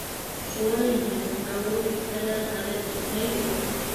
Шулай инде: ауырыу китһә лә ғәҙәт китмәй бит.